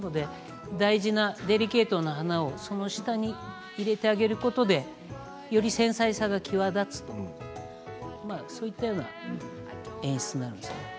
大事な、デリケートな花をその下に入れてあげることでより繊細さが際立つそういったような演出です。